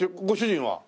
ご主人は？